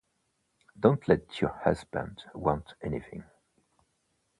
Don't let your husband want anything.